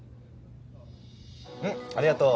んっありがとう。